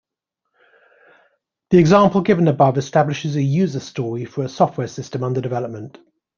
The example given above establishes a user story for a software system under development.